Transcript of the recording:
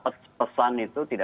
pada saat diksi partai sombong